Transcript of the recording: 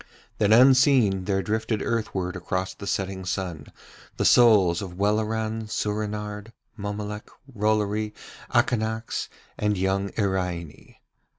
Then unseen there drifted earthward across the setting sun the souls of Welleran, Soorenard, Mommolek, Rollory, Akanax, and young Iraine.